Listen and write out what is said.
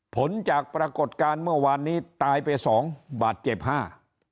ผลจากปรากฏการณ์เมื่อวานนี้ตายไปสองบาทเจ็บห้า